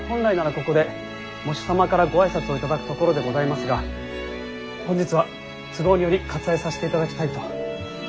ここで喪主様からご挨拶を頂くところでございますが本日は都合により割愛させていただきたいと。